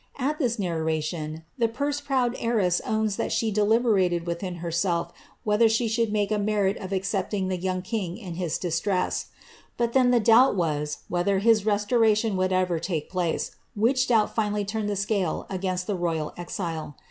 At this narratiott, the purse 8 owns that slie deliberated within herself whether she a merit of accepting the young king in his distress ;^ but ibt was, whether his restoration would ever take place, finally turned the scale against the royal exile.